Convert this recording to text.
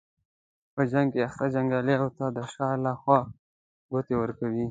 په جنګ کې اخته جنګیالیو ته د شا له خوا ګوتې ورکوي.